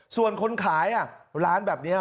ส่วนคนขายร้านแบบนี้